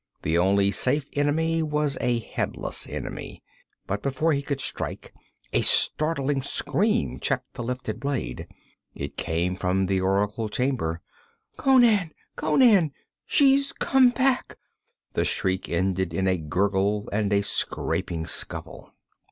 The only safe enemy was a headless enemy. But before he could strike, a startling scream checked the lifted blade. It came from the oracle chamber. 'Conan! Conan! She's come back!' The shriek ended in a gurgle and a scraping shuffle.